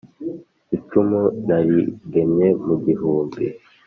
icumu narigemye mu gihumbi